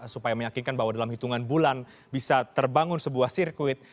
supaya meyakinkan bahwa dalam hitungan bulan bisa terbangun sebuah sirkuit